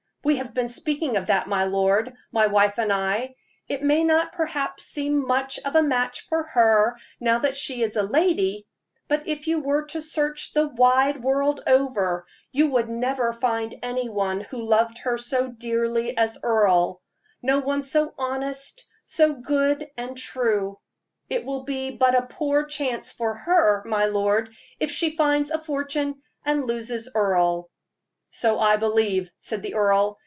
"We have been speaking of that, my lord my wife and I. It may not perhaps seem much of a match for her, now that she is my lady; but if you were to search the wide world over, you would never find any one who loved her so dearly as Earle no one so honest, so good and true. It will be but a poor chance for her, my lord, if she finds a fortune and loses Earle." "So I believe," said the earl.